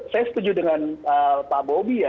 saya setuju dengan pak bobi ya